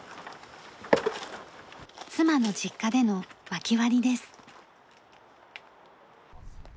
妻の実家での薪割りです。